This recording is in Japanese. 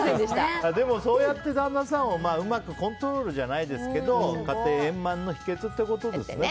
でも、そうやって旦那さんをうまくコントロールじゃないけど家庭円満の秘訣ってことですね。